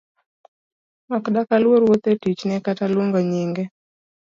Ok dak aluor wuoth’e tichne kata luongo nyinge?